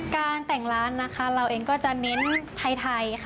การแต่งร้านนะคะเราเองก็จะเน้นไทยค่ะ